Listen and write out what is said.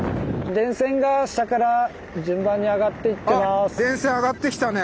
あっ電線上がってきたね。